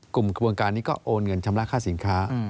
กลุ่มขบวนการนี้ก็โอนเงินชำระค่าสินค้า